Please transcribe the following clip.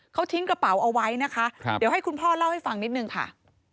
เขาทิ้งกระเป๋าเอาไว้นะคะเดี๋ยวให้คุณพ่อเล่าให้ฟังนิดนึงค่ะ